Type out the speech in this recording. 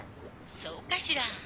☎そうかしら。